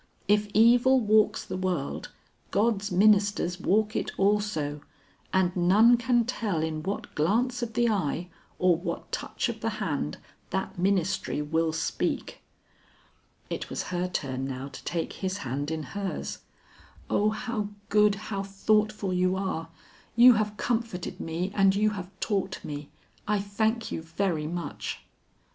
If evil walks the world, God's ministers walk it also, and none can tell in what glance of the eye or what touch of the hand, that ministry will speak." It was her turn now to take his hand in hers. "O how good, how thoughtful you are; you have comforted me and you have taught me. I thank you very much."